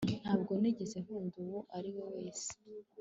ntabwo nigeze nkunda uwo ari we wese